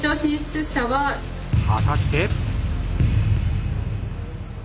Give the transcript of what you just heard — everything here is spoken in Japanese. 果たして？